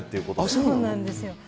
そうなんですよね。